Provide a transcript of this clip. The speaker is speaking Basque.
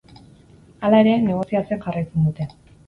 Hala ere, negoziatzen jarraitzen dute.